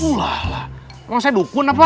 ulah lah kamu masalah dukun apa